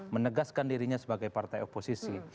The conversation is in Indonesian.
menegaskan dirinya sebagai partai oposisi